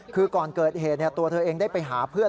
คือก่อนเกิดเหตุตัวเธอเองได้ไปหาเพื่อน